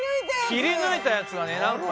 切りぬいたやつをね。